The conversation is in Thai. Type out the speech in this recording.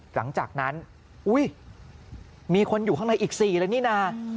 หลังจากนั้นอุ้ยมีคนอยู่ข้างในอีก๔เลยนี่นะ